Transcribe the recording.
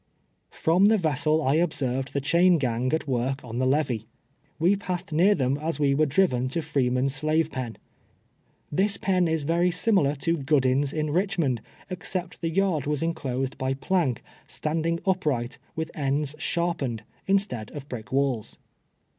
Prom the vessel I ol)serv ed the chain gang at work on the levee. AVe passed near them as we were driven to Freeman's slave pen. This pen is very similar to Goodin's in Richmond, ex cept the yard was enclosed l)y ])lank, standing up right, with ends sharpened, instead of brick walls.